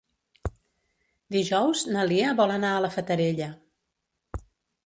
Dijous na Lia vol anar a la Fatarella.